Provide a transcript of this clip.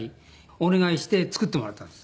お願いして作ってもらったんです。